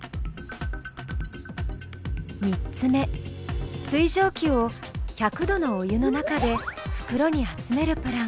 ３つ目水蒸気を１００度のお湯の中でふくろに集めるプラン。